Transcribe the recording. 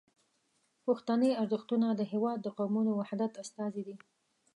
پښتني ارزښتونه د هیواد د قومونو وحدت استازي دي.